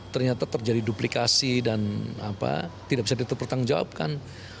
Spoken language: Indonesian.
ternyata terjadi duplikasi dan tidak bisa diterputang jawabkan